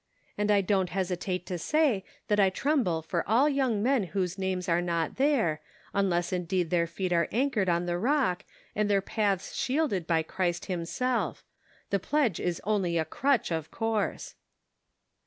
"And I don't hesitate to say that I tremble for all young men whose names are not there, unless indeed their feet are anchored on the Rock, and their paths shielded by Christ him self; the pledge is only a crutch of course."